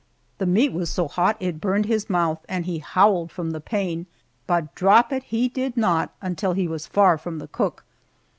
The meat was so hot it burned his mouth, and he howled from the pain, but drop it he did not until he was far from the cook.